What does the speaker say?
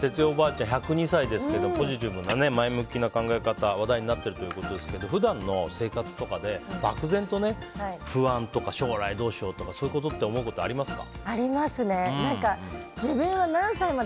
この哲代おばあちゃん１０２歳ですけどポジティブな前向きな考え方が話題になっているということですけど普段の生活とかで、漠然と不安とか将来どうしようってそういうこと思うことありますか。